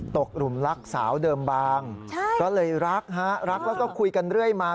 กลุ่มรักสาวเดิมบางก็เลยรักฮะรักแล้วก็คุยกันเรื่อยมา